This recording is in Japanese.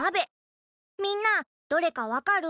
みんなどれかわかる？